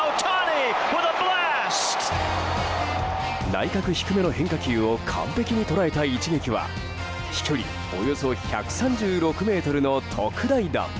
内角低めの変化球を完璧に捉えた一撃は飛距離およそ１３６ｍの特大弾。